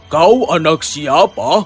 kau anak siapa